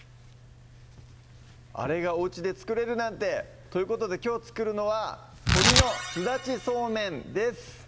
あれがおうちで作れるなんて！ということできょう作るのは「鶏のすだちそうめん」です